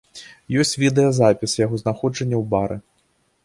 Ёсць відэазапіс яго знаходжання ў бары.